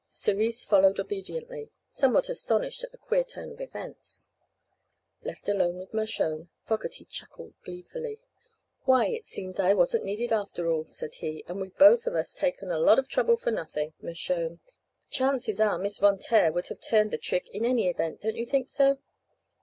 Cerise followed obediently, somewhat astonished at the queer turn of events. Left alone with Mershone, Fogerty chuckled gleefully. "Why, it seems I wasn't needed, after all," said he, "and we've both of us taken a lot of trouble for nothing, Mershone. The chances are Miss Von Taer would have turned the trick in any event, don't you think so?"